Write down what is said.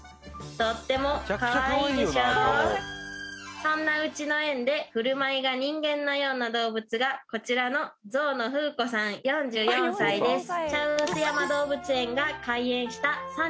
とってもかわいいでしょうそんなうちの園で振る舞いが人間のような動物がこちらのゾウのフー子さん４４歳です